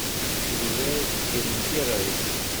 Idurar gren tiγri.